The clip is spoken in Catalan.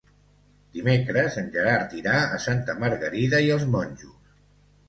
Dimecres en Gerard irà a Santa Margarida i els Monjos.